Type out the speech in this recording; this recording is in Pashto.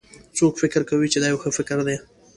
څوک فکر کوي چې دا یو ښه فکر ده